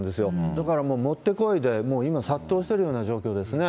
だからもう、もってこいで、今、殺到してるような状況ですね。